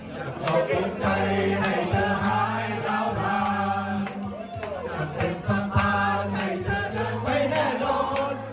จะขอบคุณใจให้เธอหายราวร้านจะเป็นสัมภาษณ์ให้เธอเดินไปแน่โดน